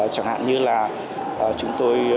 chẳng hạn như là chúng tôi